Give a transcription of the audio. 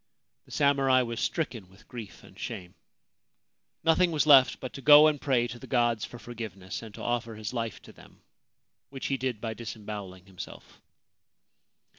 The samurai was stricken with grief and shame. Nothing was left but to go and pray to the gods for forgiveness, and to offer his life to them, which he did by disembowelling himself.